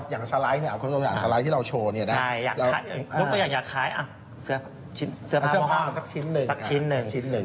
เสื้อชิ้นเสื้อผ้าสักชิ้นหนึ่งสักชิ้นหนึ่งสักชิ้นหนึ่ง